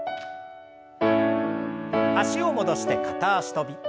脚を戻して片脚跳び。